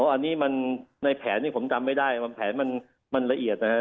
อันนี้มันในแผนนี้ผมจำไม่ได้ว่าแผนมันละเอียดนะฮะ